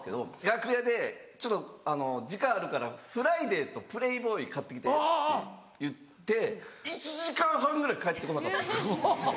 楽屋でちょっと時間あるから「『ＦＲＩＤＡＹ』と『プレイボーイ』買って来て」って言って１時間半ぐらい帰って来なかったんです。